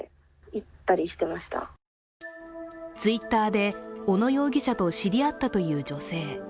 Ｔｗｉｔｔｅｒで小野容疑者と知り合ったという女性。